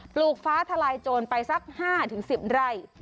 ลูกฟ้าทลายโจรไปสัก๕๑๐ไร่